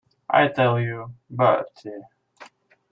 I'll tell you, Bertie.